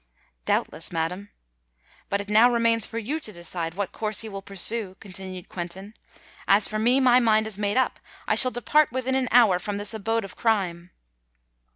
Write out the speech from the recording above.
"Doubtless, madam. But it now remains for you to decide what course you will pursue," continued Quentin: "as for me, my mind is made up—I shall depart within an hour from this abode of crime!"